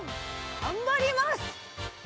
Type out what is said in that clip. がんばります！